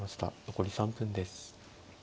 残り３分です。